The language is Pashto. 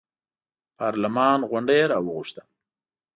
پارلمان غونډه یې راوغوښته.